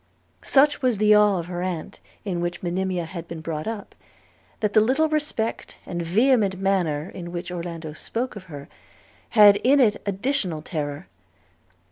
Such was the awe of her aunt in which Monimia had been brought up, that the little respect and vehement manner in which Orlando spoke of her had in it additional terror.